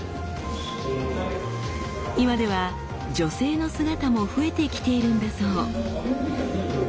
今では女性の姿も増えてきているんだそう。